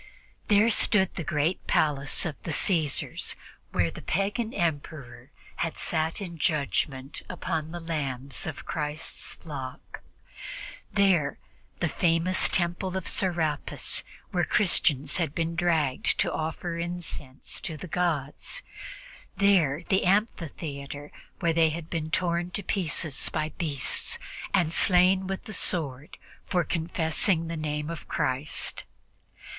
There stood the great palace of the Caesars, where the pagan emperor had sat in judgment upon the lambs of Christ's flock; there the famous temple of Serapis, where the Christians had been dragged to offer incense to the gods; there the amphitheater where they had been torn to pieces by beasts and slain with the sword for confessing the Name of Christ.